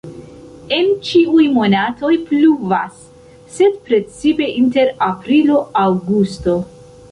En ĉiuj monatoj pluvas, sed precipe inter aprilo-aŭgusto.